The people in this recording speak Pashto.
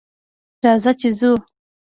راځه چې ځو